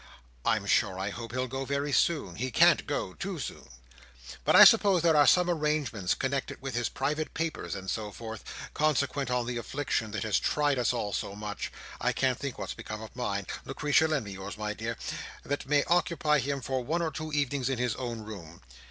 I'm sure I hope he'll go very soon. He can't go too soon. But I suppose there are some arrangements connected with his private papers and so forth, consequent on the affliction that has tried us all so much—I can't think what's become of mine: Lucretia, lend me yours, my dear—that may occupy him for one or two evenings in his own room.